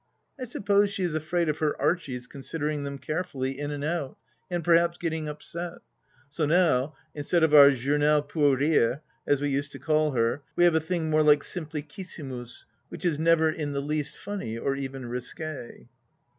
I suppose she is afraid of her Archie's considering them carefully, in and out, and perhaps getting upset. So now, instead of our Journal pour Rire, as we used to call her, we have a thing more like Simplicia simus, which is never in the least funny or even risqui.